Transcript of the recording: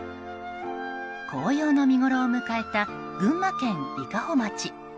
紅葉の見ごろを迎えた群馬県伊香保町。